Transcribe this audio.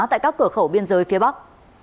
tại các cửa khẩu biên giới phía bắc